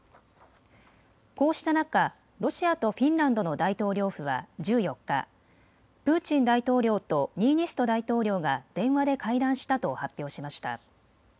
こうした中、ロシアとフィンランドの大統領府は１４日、プーチン大統領とニーニスト大統領が電話で会談したと発表しました。